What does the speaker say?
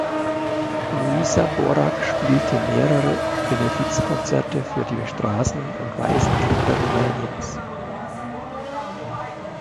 Luiza Borac spielte mehrere Benefizkonzerte für die Straßen- und Waisenkinder Rumäniens.